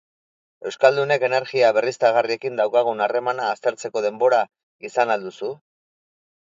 Euskaldunek energia berriztagarriekin daukagun harremana aztertzeko denbora izan al duzu?